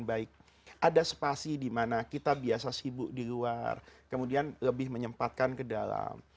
ada spasi dimana kita biasa sibuk di luar kemudian lebih menyempatkan ke dalam